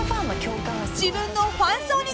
［自分の］